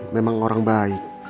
memang orang baik